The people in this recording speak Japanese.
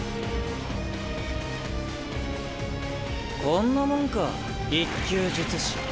こんなもんか１級術師。